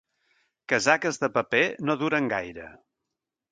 Casaques de paper no duren gaire.